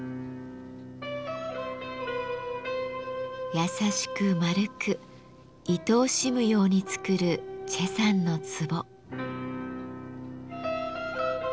やさしく丸くいとおしむように作る崔さんの壺。